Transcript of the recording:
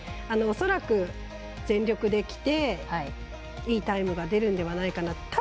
恐らく、全力できていいタイムが出るのではないのかなと。